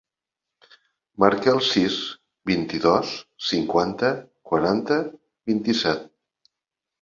Marca el sis, vint-i-dos, cinquanta, quaranta, vint-i-set.